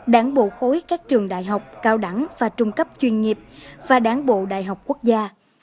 đảng bộ khối các trường đại học cao đẳng và trung cấp chuyên nghiệp và đáng bộ đại học quốc gia